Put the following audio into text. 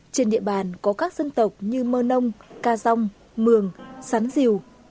trên địa bàn có các dân tộc như mơ nông ca dông mường sán diều